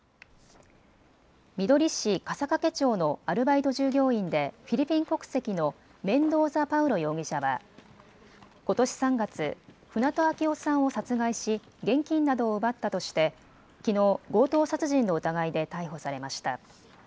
みどり市笠懸町のアルバイト従業員でフィリピン国籍のメンドーザ・パウロ容疑者はことし３月、船戸秋雄さんを殺害し現金などを奪ったとしてきのう、強盗殺人の疑いで逮捕されました。